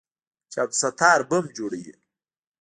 چې عبدالستار بم جوړوي.